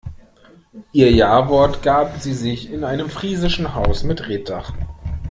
Ihr Jawort gaben sie sich in einem friesischen Haus mit Reetdach.